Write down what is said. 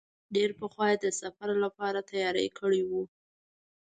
ډېر پخوا یې د سفر لپاره تیاری کړی و.